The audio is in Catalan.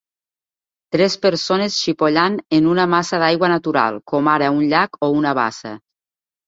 Tres persones xipollant en una massa d'aigua natural, com ara un llac o una bassa.